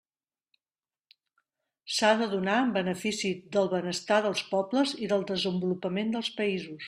S'ha de donar en benefici del benestar dels pobles i del desenvolupament dels països.